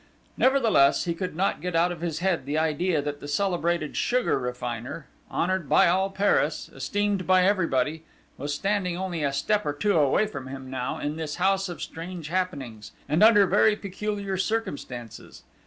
Nevertheless, he could not get out of his head the idea that the celebrated sugar refiner, honoured by all Paris, esteemed by everybody, was standing only a step or two away from him now in this house of strange happenings, and under very peculiar circumstances.